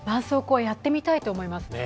やってみたいと思います。